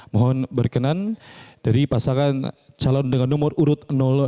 mohon berkenan dari pasangan calon dengan nomor urut satu